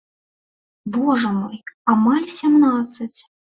Божа мой, амаль сямнаццаць!